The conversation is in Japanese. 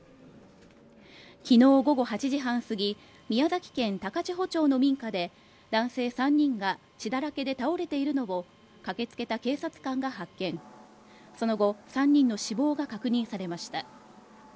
昨日午後８時半過ぎ宮崎県高千穂町の民家で男性３人が血だらけで倒れているのを駆けつけた警察官が発見その後３人の死亡が確認されました